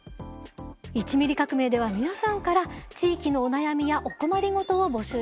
「１ミリ革命」では皆さんから地域のお悩みやお困りごとを募集しています。